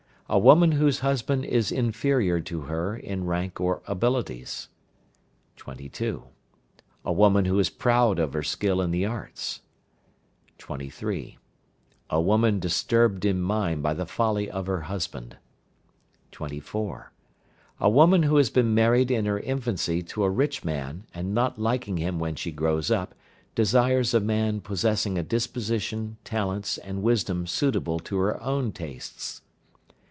A woman whose husband is inferior to her in rank or abilities. 22. A woman who is proud of her skill in the arts. 23. A woman disturbed in mind by the folly of her husband. 24. A woman who has been married in her infancy to a rich man, and not liking him when she grows up, desires a man possessing a disposition, talents, and wisdom suitable to her own tastes.